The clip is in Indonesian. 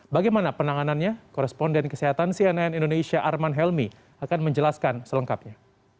bagaimana penanganannya koresponden kesehatan cnn indonesia arman helmi akan menjelaskan selengkapnya